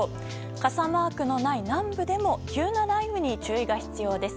傘マークのない南部でも急な雷雨に注意が必要です。